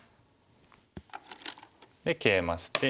でケイマして。